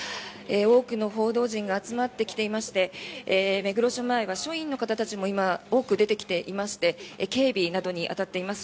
多くの報道陣が集まってきていまして目黒署前は署員の方たちも今は多く出てきていまして警備などに当たっています。